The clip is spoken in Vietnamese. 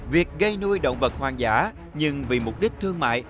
việc gây nuôi động vật hoang dã nhưng vì mục đích thương mại